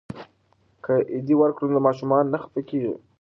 که عیدي ورکړو نو ماشومان نه خفه کیږي.